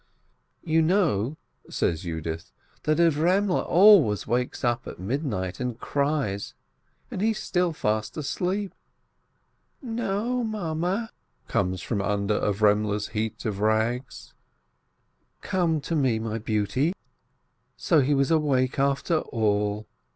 "You know," says Yudith, "that Avremele always wakes at midnight and cries, and he's still fast asleep." '*Xo, Mame," comes from under Arvemele's heap of rags. "Come to me, my beauty! So he was awake after all!"